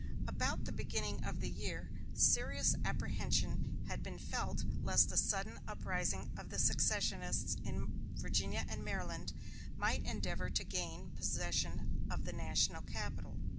About the beginning of the year serious apprehension had been felt lest a sudden uprising of the secessionists in Virginia and Maryland might endeavor to gain possession of the national capital.